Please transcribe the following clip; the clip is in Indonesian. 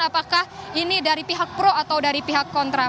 apakah ini dari pihak pro atau dari pihak kontra